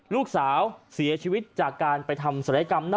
ลูกสาวเสียชีวิตจากการไปทำศัลยกรรมนอก